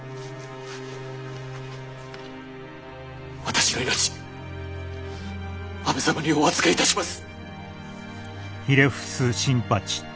私の命安部様にお預けいたします。